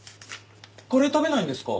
カレー食べないんですか？